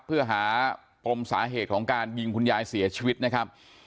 เพื่อหาปมสาเหตุของการยิงคุณยายเสียชีวิตนะครับ